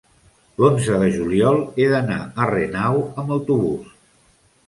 l'onze de juliol he d'anar a Renau amb autobús.